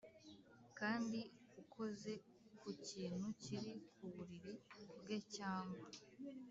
Kandi ukoze ku kintu kiri ku buriri bwe cyangwa